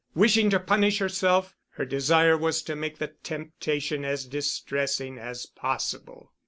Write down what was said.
Wishing to punish herself, her desire was to make the temptation as distressing as possible.